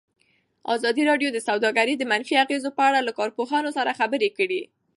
ازادي راډیو د سوداګري د منفي اغېزو په اړه له کارپوهانو سره خبرې کړي.